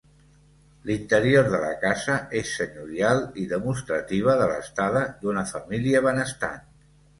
L'interior de la casa és senyorial i demostrativa de l'estada d'una família benestant.